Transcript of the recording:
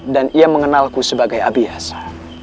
dan ia mengenalku sebagai abiyasa